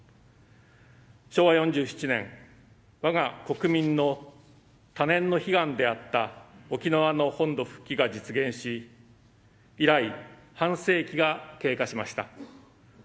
昭和４７年、我が国民の多年の悲願であった沖縄の本土復帰が実現し以来、半世紀が経過しました。